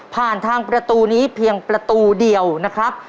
ผ่านทางประตูนี้เพียงประตูเดียวนะครับ